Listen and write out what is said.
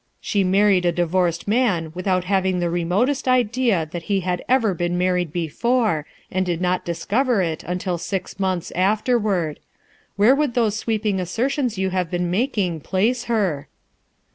She married a divorced man without having the remotest idea that he had ever been married before, and did not discover it until six months afterward. Where would those sweeping as sertions you have been making place her?"